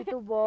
itu dosa besar